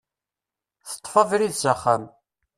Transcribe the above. Teṭṭef abrid s axxam.